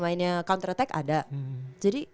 mainnya counter attack ada jadi